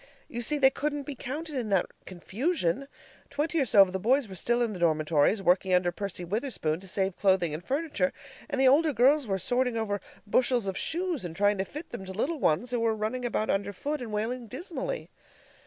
You see, they couldn't be counted in that confusion. Twenty or so of the boys were still in the dormitories, working under Percy Witherspoon to save clothing and furniture, and the older girls were sorting over bushels of shoes and trying to fit them to the little ones, who were running about underfoot and wailing dismally.